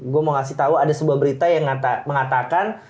gue mau ngasih tahu ada sebuah berita yang mengatakan